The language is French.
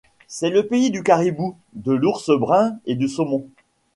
C'est le pays du caribou, de l'ours brun et du saumon.